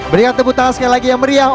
berikan tepuk tangan sekali lagi yang meriah